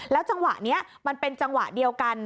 จังหวะนี้มันเป็นจังหวะเดียวกัน